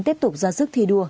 tiếp tục ra sức thi đua